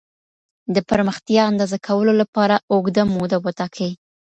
د پرمختيا اندازه کولو لپاره اوږده موده وټاکئ.